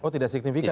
oh tidak signifikan